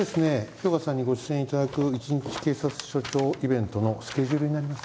氷河さんにご出演いただく１日警察署長イベントのスケジュールになります。